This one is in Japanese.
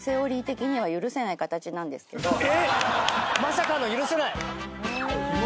「まさかの『許せない』！」